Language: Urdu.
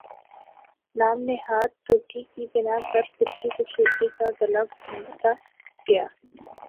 نام نہاد ترقی کی بنا پر فطری خوبصورتی کا گلا گھونٹتا گیا